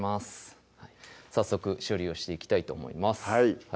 早速処理をしていきたいと思います